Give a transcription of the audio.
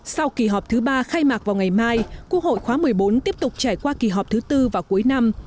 sau kỳ họp thứ ba khai mạc vào ngày mai quốc hội khóa một mươi bốn tiếp tục trải qua kỳ họp thứ tư vào cuối năm